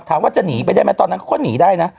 ว่าจะหนีไปได้ไหมตอนนั้นเขาก็หนีได้นะ